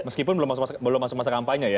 meskipun belum masuk masa kampanye ya